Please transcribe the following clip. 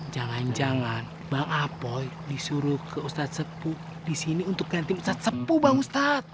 jangan jangan bang apoy disuruh ke ustadz sepu di sini untuk ganti ustadz sepu bang ustadz